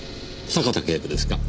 坂田警部ですか？